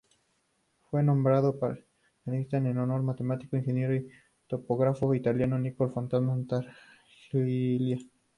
Fue nombrado Tartaglia en honor al matemático, ingeniero y topógrafo italiano Niccolo Fontana Tartaglia.